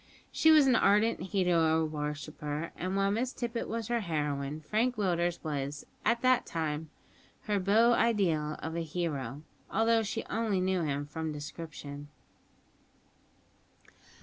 She was an ardent hero worshipper; and while Miss Tippet was her heroine, Frank Willders was, at that time, her beau ideal of a hero, although she only knew him from description.